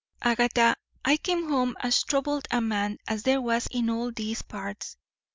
"Agatha, I came home as troubled a man as there was in all these parts.